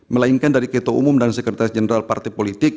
melainkan dari ketua umum dan sekretaris jenderal partai politik